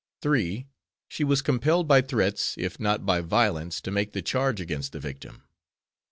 3. She was compelled by threats, if not by violence, to make the charge against the victim.